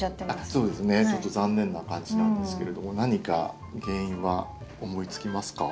そうですねちょっと残念な感じなんですけれども何か原因は思いつきますか？